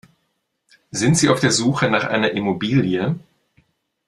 Sind Sie auf der Suche nach einer Immobilie?